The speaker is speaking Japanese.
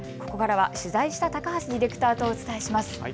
ここからは取材した高橋ディレクターとお伝えします。